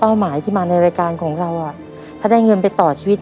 หมายที่มาในรายการของเราถ้าได้เงินไปต่อชีวิต